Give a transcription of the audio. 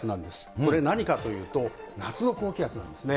これ何かというと、夏の高気圧なんですね。